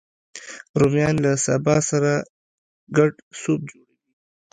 رومیان له سابه سره ګډ سوپ جوړوي